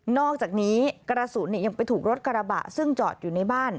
อกจากนี้กระสุนยังไปถูกรถกระบะซึ่งจอดอยู่ในบ้าน